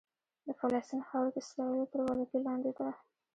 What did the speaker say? د فلسطین خاوره د اسرائیلو تر ولکې لاندې ده.